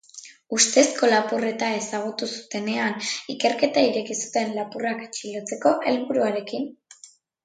Ustezko lapurreta ezagutu zutenean, ikerketa ireki zuten, lapurrak atxilotzeko helburuarekin.